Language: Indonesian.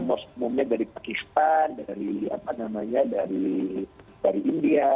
most umumnya dari pakistan dari apa namanya dari india